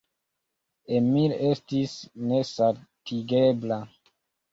Emil estis nesatigebla.